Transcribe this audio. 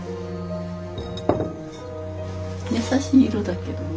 優しい色だけどね。